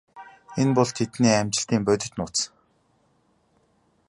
Энэ бол тэдний амжилтын бодит нууц.